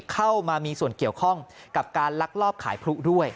เข้ามามีส่วนเกี่ยวข้องกับการลักลอบขายพลุด้วย